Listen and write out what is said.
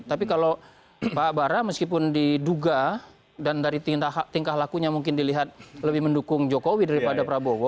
tapi kalau pak bara meskipun diduga dan dari tingkah lakunya mungkin dilihat lebih mendukung jokowi daripada prabowo